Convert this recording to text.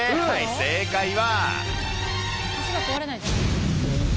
正解は。